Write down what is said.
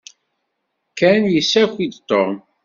Ken yessaki-d Tom.